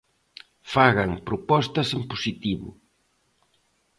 Fagan propostas en positivo.